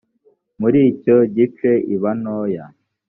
muri icyo gice iba ntoya